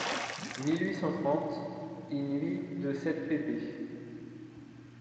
(mille huit cent trente), in-huit de sept pp.